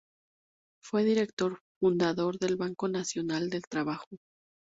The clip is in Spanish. Fue Director-fundador del Banco Nacional del Trabajo.